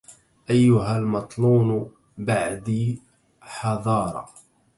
أيها المطلون بعدي حذار